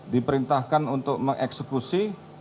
diperintahkan untuk mengeksekusi